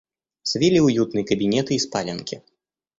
Свили уютные кабинеты и спаленки.